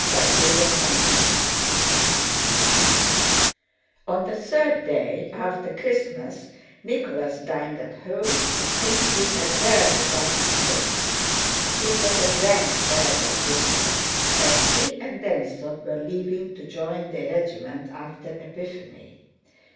CHAPTER XI On the third day after Christmas Nicholas dined at home, a thing he had rarely done of late. It was a grand farewell dinner, as he and Denísov were leaving to join their regiment after Epiphany.